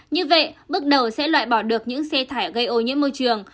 như vậy bước đầu sẽ loại bỏ được những xe thải gây ô nhiễm môi trường